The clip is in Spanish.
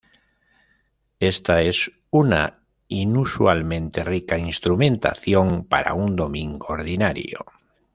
Esta es una inusualmente rica instrumentación para un domingo ordinario.